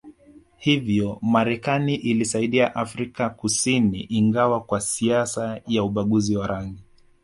Hivyo Marekani ilisaidia Afrika Kusini ingawa kwa siasa ya ubaguzi wa rangi